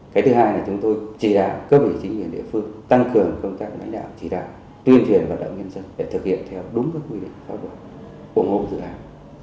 cái thứ hai là chúng tôi chỉ đạo cấp ủy chính quyền địa phương tăng cường công tác lãnh đạo chỉ đạo tuyên truyền vận động nhân dân để thực hiện theo đúng các quy định pháp luật ủng hộ dự án